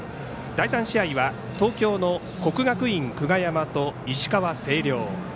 第３試合は東京の国学院久我山と石川、星稜。